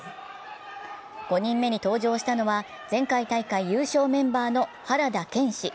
５人目に登場したのは前回大会優勝メンバーの原田健士。